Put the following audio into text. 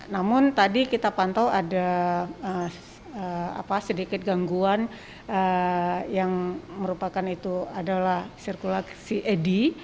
namun tadi kita pantau ada sedikit gangguan yang merupakan itu adalah sirkulasi edi